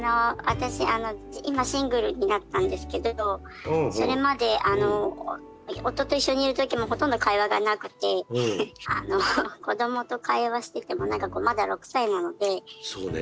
私今シングルになったんですけれどそれまで夫と一緒にいる時もほとんど会話がなくて子どもと会話してても何かまだ６歳なので。